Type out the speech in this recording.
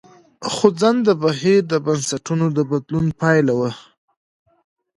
خوځنده بهیر د بنسټونو د بدلون پایله وه.